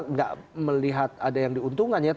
nggak melihat ada yang diuntungkan ya